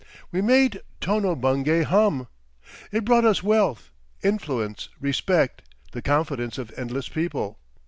We made Tono Bungay hum! It brought us wealth, influence, respect, the confidence of endless people.